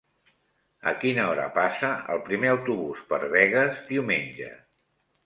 A quina hora passa el primer autobús per Begues diumenge?